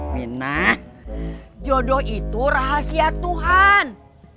mirna jodoh itu rahasia tuhan